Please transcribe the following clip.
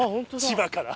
千葉から。